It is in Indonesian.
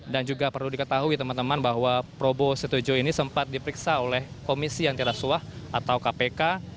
dan juga perlu diketahui teman teman bahwa probowos tujuh ini sempat diperiksa oleh komisi antirasuah atau kpk